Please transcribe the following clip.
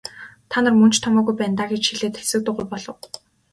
Та нар мөн ч томоогүй байна даа гэж хэлээд хэсэг дуугүй болов.